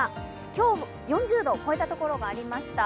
今日４０度を超えたところがありました。